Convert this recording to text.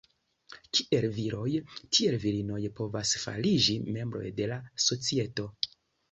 Kiel viroj tiel virinoj povas fariĝi membroj de la societo.